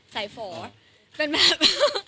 ไซฟอร์เป็นแบบ